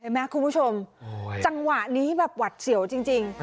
เห็นมั้ยคุณผู้ชมจังหวะนี้แบบหวัดเสียวจริงจริง